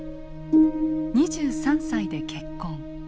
２３歳で結婚。